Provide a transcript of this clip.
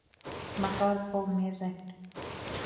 Макар, полмезе.